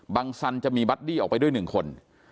สันจะมีบัดดี้ออกไปด้วย๑คน